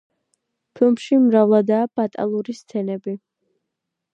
ფილმში მრავლადაა ბატალური სცენები.